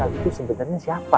aku itu sebenarnya siapa